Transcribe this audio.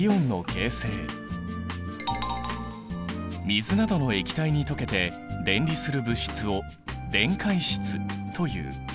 水などの液体に溶けて電離する物質を電解質という。